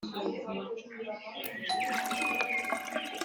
kuva kera cyane d wowe mana